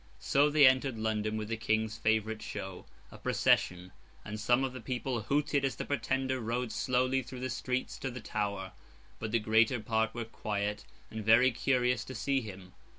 So they entered London with the King's favourite show—a procession; and some of the people hooted as the Pretender rode slowly through the streets to the Tower; but the greater part were quiet, and very curious to see him.